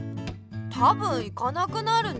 たぶん行かなくなるね。